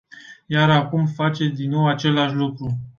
Iar acum faceți din nou același lucru.